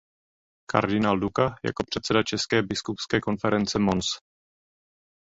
Kardinál Duka jako předseda České biskupské konference Mons.